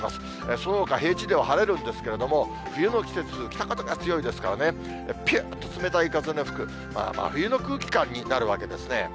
そのほかは平地では晴れるんですけれども、冬の季節、北風が強いですからね、ぴゅーっと冷たい風の吹く、真冬の空気感になるわけですね。